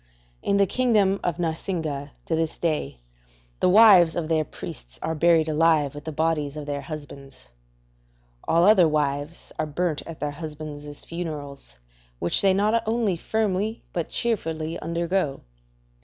In the kingdom of Narsingah to this day the wives of their priests are buried alive with the bodies of their husbands; all other wives are burnt at their husbands' funerals, which they not only firmly but cheerfully undergo.